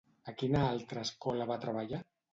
A quina altra escola va treballar?